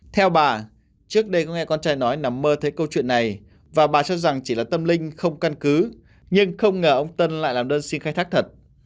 theo bà trước đây có hai con trai nói nằm mơ thấy câu chuyện này và bà cho rằng chỉ là tâm linh không căn cứ nhưng không ngờ ông tân lại làm đơn xin khai thác thật